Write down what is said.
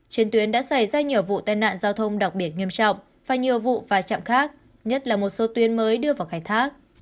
trên tuyến đã xảy ra nhiều vụ tai nạn giao thông đặc biệt nghiêm trọng và nhiều vụ vai trạm khác nhất là một số tuyến mới đưa vào khai thác